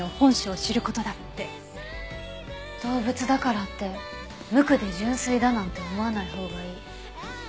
動物だからって無垢で純粋だなんて思わないほうがいい。